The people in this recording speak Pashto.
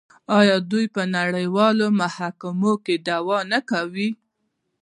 آیا دوی په نړیوالو محکمو کې دعوا نه کوي؟